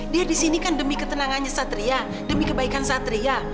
dia di sini kan demi ketenangannya satria demi kebaikan satria